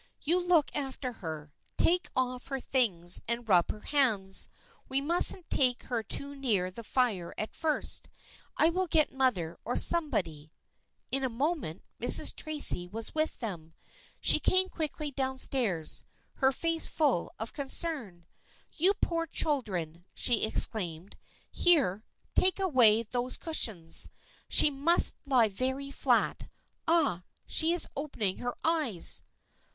" You look after her. Take off her things and rub her hands. We mustn't take her too near the fire at first. I will get mother or somebody." In a moment Mrs. Tracy was with them. She came quickly down stairs, her face full of concern. " You poor children !" she exclaimed. " Here, take away these cushions. She must lie very flat. Ah, she is opening her eyes."